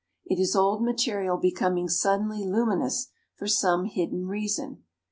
It is old material becoming suddenly luminous for some hidden reason.